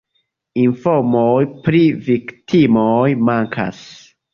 Informoj pri viktimoj mankas.